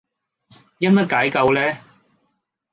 因乜解救呢